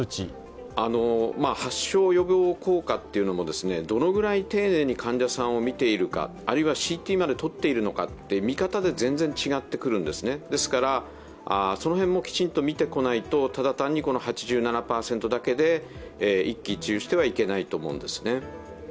発症予防効果もどのぐらい丁寧に患者さんを診ているか、あるいはＣＴを丁寧に見ているか、見方で全然違うんですね、その辺もきちんと見てこないとただ単に８７％だけで一喜一憂してはいけないと思うんですね。